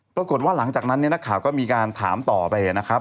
ปรากฏว่าหลังจากนั้นเนี่ยนักข่าวก็มีการถามต่อไปนะครับ